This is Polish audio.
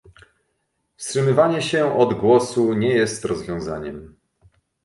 Wstrzymywanie się od głosu nie jest rozwiązaniem